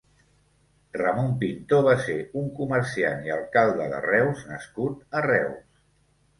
Ramon Pintó va ser un comerciant i Alcalde de Reus nascut a Reus.